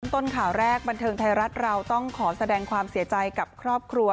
ต้นข่าวแรกบันเทิงไทยรัฐเราต้องขอแสดงความเสียใจกับครอบครัว